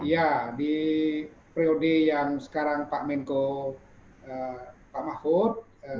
iya di prioritas yang sekarang pak menko pak mahfud